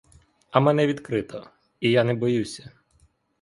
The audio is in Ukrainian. А мене відкрито, і я не боюся.